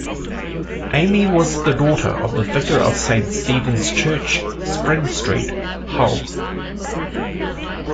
Amy was the daughter of the vicar of Saint Stephen's Church, Spring Street, Hull.